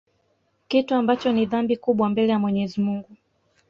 kitu ambacho ni dhambi kubwa mbele ya Mwenyezi Mungu